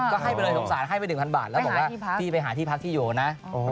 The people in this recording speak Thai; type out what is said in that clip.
ก็ให้ไปเลยโทษฉาให้ไป๑๐๐๐บาทแล้วที่ไปหาที่พักที่โยนะ